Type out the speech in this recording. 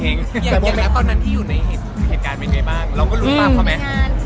จริงแล้วตอนนั้นที่อยู่ในเหตุการณ์เป็นไงบ้างเราก็รู้ตามเขาไหม